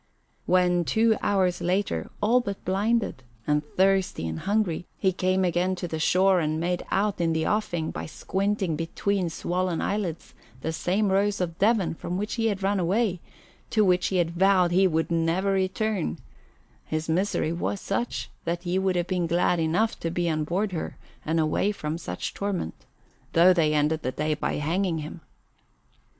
When two hours later, all but blinded, and thirsting and hungry, he came again to the shore and made out in the offing, by squinting between swollen eyelids, the same Rose of Devon from which he had run away and to which he had vowed he would never return, his misery was such that he would have been glad enough to be on board her and away from such torment, though they ended the day by hanging him.